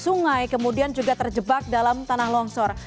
sungai kemudian juga terjebak dalam tanah longsor